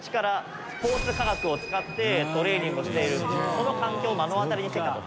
その環境を目の当たりにしてた。